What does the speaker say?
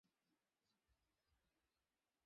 বৃত্তরূপ আত্মার পরিধি কোথাও নাই, কেন্দ্র জীবদেহে।